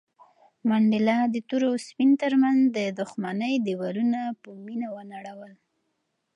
منډېلا د تور او سپین تر منځ د دښمنۍ دېوالونه په مینه ونړول.